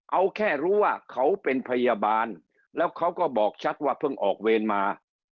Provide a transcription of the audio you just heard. เอาแค่รู้ว่าเขาเป็นพยาบาลแล้วเขาก็บอกชัดว่าเพิ่งออกเวรมา